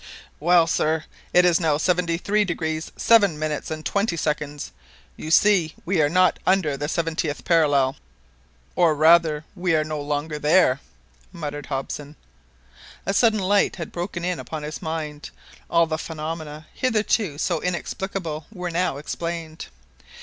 "Well, sir, it is now seventy three degrees, seven minutes, and twenty seconds! You see we are not under the seventieth parallel ! "Or rather we are no longer there !" muttered Hobson. A sudden light had broken in upon his mind, all the phenomena hitherto so inexplicable were now explained.